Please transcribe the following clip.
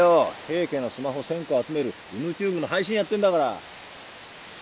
平家のスマホ１，０００個集めるＵｎｕＴｕｂｅの配信やってんだから。